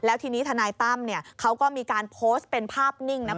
แล้วทีนี้ทนายตั้มเขาก็มีการโพสต์เป็นภาพนิ่งนะ